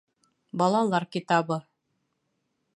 Балалар китабы.